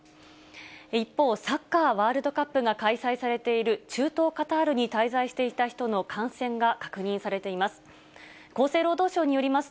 一方、サッカーワールドカップが開催されている中東カタールに滞在していた人の感染が確認されています。